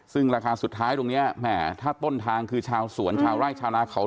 ซึ่งราคาสุดท้ายตรงนี้แหมถ้าต้นทางคือชาวสวนชาวไร่ชาวนาเขา